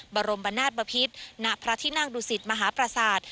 บรมบรรนาชปภิษณะพระที่นางดุสิตมหาประสาท